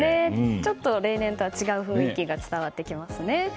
ちょっと例年とは違う雰囲気が伝わってきますね。